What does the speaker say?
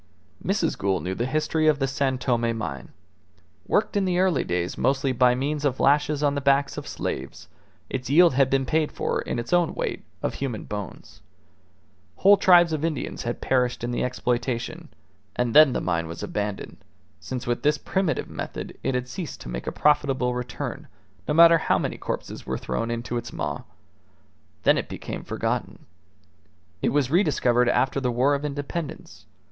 Mrs. Gould knew the history of the San Tome mine. Worked in the early days mostly by means of lashes on the backs of slaves, its yield had been paid for in its own weight of human bones. Whole tribes of Indians had perished in the exploitation; and then the mine was abandoned, since with this primitive method it had ceased to make a profitable return, no matter how many corpses were thrown into its maw. Then it became forgotten. It was rediscovered after the War of Independence.